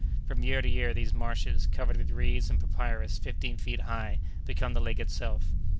From year to year these marshes, covered with reeds and papyrus fifteen feet high, become the lake itself.